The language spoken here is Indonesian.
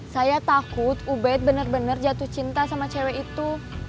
saya takut ubed benar benar jatuh cinta sama cewek itu